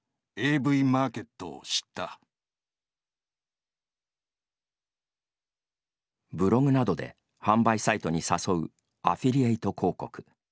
ブログなどで販売サイトに誘うアフィリエイト広告。